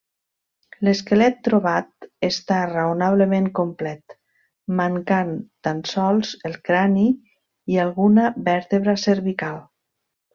L'esquelet trobat està raonablement complet, mancant tan sols el crani i alguna vèrtebra cervical.